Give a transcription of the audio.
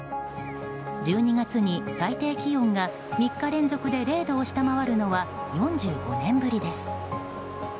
１２月に最低気温が３日連続で０度を下回るのは４５年ぶりです。